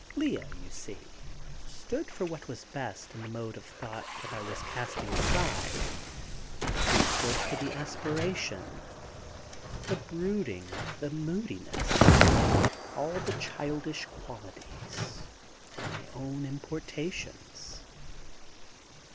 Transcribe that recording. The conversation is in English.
Lea, you see, stood for what was best in the mode of thought that I was casting aside. He stood for the aspiration. The brooding, the moodiness; all the childish qualities, were my own importations.